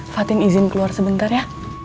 fathing izin keluar sebentar ya